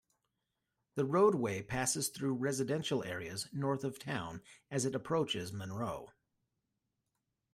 The roadway passes through residential areas north of town as it approaches Monroe.